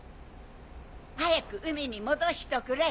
早く海に戻しとくれ！